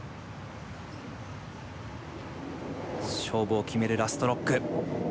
勝負を決めるラストロック。